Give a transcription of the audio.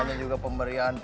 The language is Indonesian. namanya juga pemberian